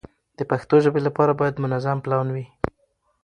د پښتو ژبې لپاره باید منظم پلان وي.